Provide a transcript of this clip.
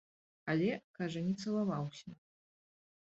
Але, кажа, не цалаваўся.